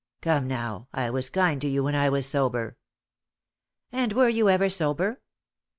"Come now, I was kind to you when I was sober." "And were you ever sober?